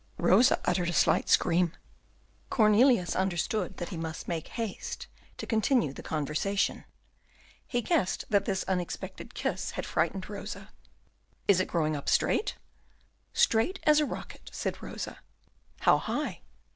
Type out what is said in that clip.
Rosa uttered a slight scream. Cornelius understood that he must make haste to continue the conversation. He guessed that this unexpected kiss had frightened Rosa. "Is it growing up straight?" "Straight as a rocket," said Rosa. "How high?"